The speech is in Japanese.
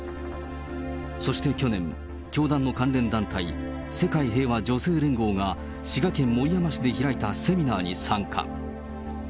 そして去年、教団の関連団体、世界平和女性連合が滋賀県守山市で開いたセミナーに参加。